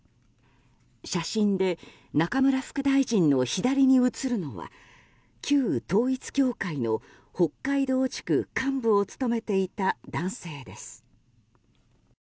写真で中村議員の左に写るのは旧統一教会の北海道地区幹部を務めていた男性です。